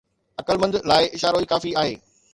عقلمند لاءِ اشارو ئي ڪافي آهي